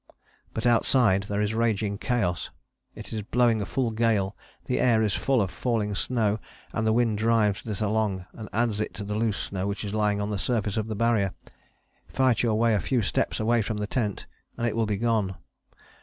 But outside there is raging chaos. It is blowing a full gale: the air is full of falling snow, and the wind drives this along and adds to it the loose snow which is lying on the surface of the Barrier. Fight your way a few steps away from the tent, and it will be gone.